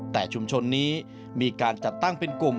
แต่ชุมชนนี้มีการจัดตั้งเป็นกลุ่ม